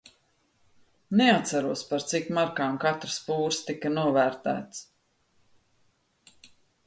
Neatceros, par cik markām katrs pūrs tika novērtēts.